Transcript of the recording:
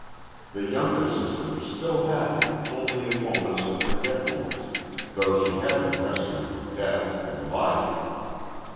The younger sister was still happy only in moments of forgetfulness, though she had been rescued from death in life.